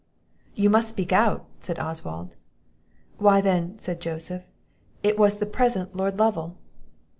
"You must speak out," said Oswald. "Why then," said Joseph, "it was the present Lord Lovel."